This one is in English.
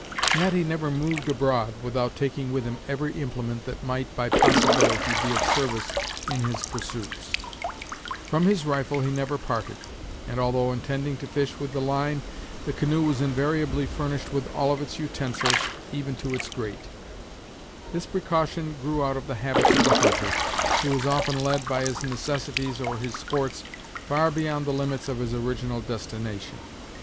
Natty never moved abroad without taking with him every implement that might, by possibility, be of service in his pursuits. From his rifle he never parted; and although intending to fish with the line, the canoe was invariably furnished with all of its utensils, even to its grate This precaution grew out of the habits of the hunter, who was often led, by his necessities or his sports, far beyond the limits of his original destination.